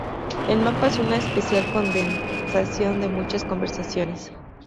El mapa es una especial condensación de mucha conversaciones.